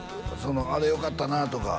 「あれよかったなあ」とか